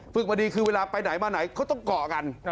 มาดีคือเวลาไปไหนมาไหนเขาต้องเกาะกัน